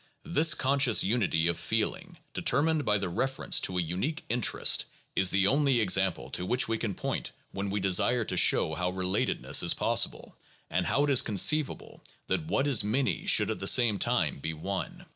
This con scious unity of feeling, determined by reference to a unique interest, is the only example to which we can point when we desire to show how relatedness is possible, and how it is conceivable that what is many should at the same time be one.